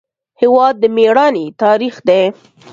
هېواد د میړانې تاریخ دی.